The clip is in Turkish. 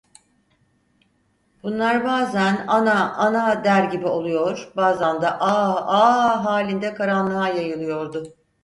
Bunlar bazan "Ana… Ana!" der gibi oluyor, bazan da "A… Aaah!" halinde karanlığa yayılıyordu.